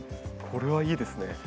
これはいいですね。